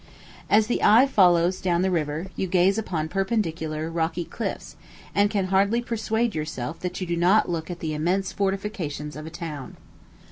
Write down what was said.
As the eye follows down the river, you gaze on perpendicular, rocky cliffs, and can hardly persuade yourself that you do not look at the immense fortifications of a town.